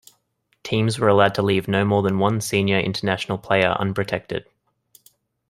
Teams were allowed to leave no more than one Senior International player unprotected.